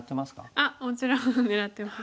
あっもちろん狙ってます。